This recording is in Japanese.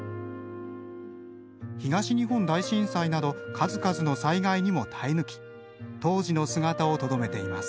東日本大震災など数々の災害にも耐え抜き当時の姿をとどめています。